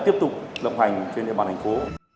tiếp tục lộng hành trên địa bàn thành phố